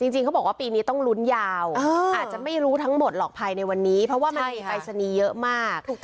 จริงเขาบอกว่าปีนี้ต้องลุ้นยาวอาจจะไม่รู้ทั้งหมดหรอกภายในวันนี้เพราะว่ามันมีปรายศนีย์เยอะมาก